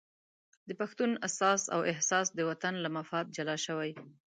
د پښتون اساس او احساس د وطن له مفاد جلا شوی.